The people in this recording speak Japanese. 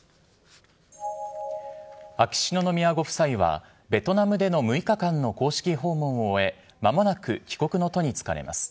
秋篠宮ご夫妻は、ベトナムでの６日間の公式訪問を終え、まもなく、帰国の途に就かれます。